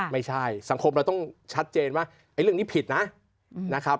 ไม่ใช่สังคมเราต้องชัดเจนว่าเรื่องนี้ผิดนะครับ